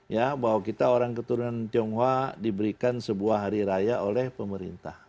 ya bahwa kita orang keturunan tionghoa diberikan sebuah hari raya oleh pemerintah